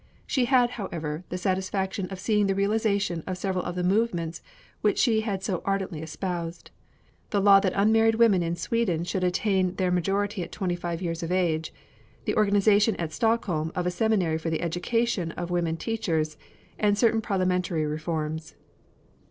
She had, however, the satisfaction of seeing the realization of several of the movements which she had so ardently espoused: the law that unmarried women in Sweden should attain their majority at twenty five years of age; the organization at Stockholm of a seminary for the education of woman teachers; and certain parliamentary reforms.